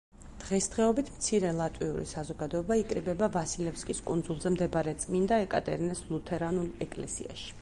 დღესდღეობით მცირე ლატვიური საზოგადოება იკრიბება ვასილევსკის კუნძულზე მდებარე წმინდა ეკატერინეს ლუთერანულ ეკლესიაში.